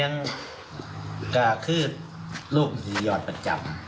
มันก็คือนักหลักฐานักหมอ